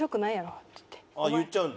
あっ言っちゃうんだ。